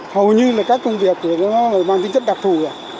hầu như là các công việc thì nó mang tính chất đặc thù